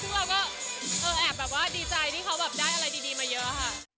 ซึ่งเราก็แอบแบบว่าดีใจที่เขาแบบได้อะไรดีมาเยอะค่ะ